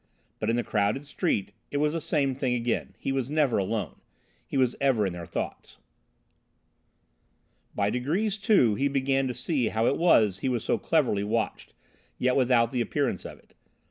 But in the crowded street it was the same thing again; he was never alone. He was ever in their thoughts. By degrees, too, he began to see how it was he was so cleverly watched, yet without the appearance of it.